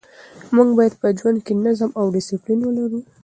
موږ باید په ژوند کې نظم او ډسپلین ولرو.